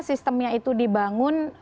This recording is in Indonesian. sistemnya itu dibangun